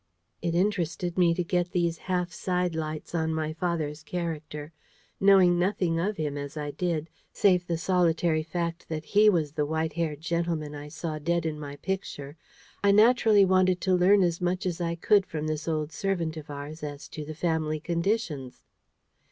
It interested me to get these half side lights on my father's character. Knowing nothing of him, as I did, save the solitary fact that he was the white haired gentleman I saw dead in my Picture, I naturally wanted to learn as much as I could from this old servant of ours as to the family conditions.